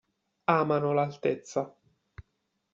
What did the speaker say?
Amano l'altezza.